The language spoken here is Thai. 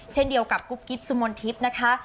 เช่นเดียวกับกุ๊บกิ๊บสุมนทิพย์นะคะ